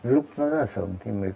lúc nó rất là sớm thì mới